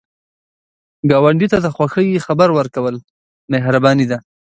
ګاونډي ته د خوښۍ خبر ورکول مهرباني ده